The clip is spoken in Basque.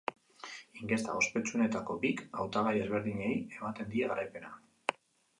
Inkesta ospetsuenetako bik hautagai ezberdinei ematen die garaipena.